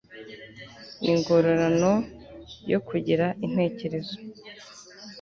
ningororano yo kugira intekerezo